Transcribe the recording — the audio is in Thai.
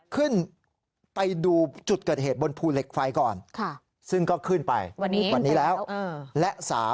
ขึ้นไปดูจุดเกิดเหตุบนภูเหล็กไฟก่อนซึ่งก็ขึ้นไปวันนี้แล้วและ๓